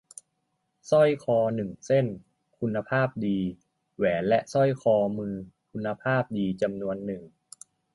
สร้อยคอหนึ่งเส้น-คุณภาพดี-แหวนและสร้อยข้อมือคุณภาพดีจำนวนหนึ่ง